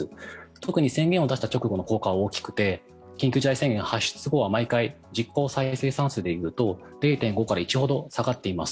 特に、宣言を出した直後の効果は大きくて緊急事態宣言発出後は毎回、実効再生産数で言うと０．５から１ほど下がっています。